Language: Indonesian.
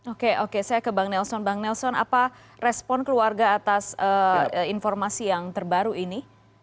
oke oke saya ke bang nelson bang nelson apa respon keluarga atas informasi yang terbaru ini